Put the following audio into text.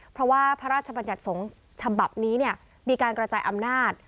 เพราะว่าพระราชบัญญัติสงฆ์ฉบับนี้มีการกระจายอำนาจ